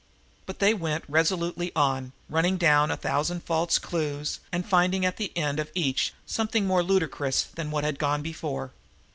But they went resolutely on, running down a thousand false clues and finding at the end of each something more ludicrous than what had gone before.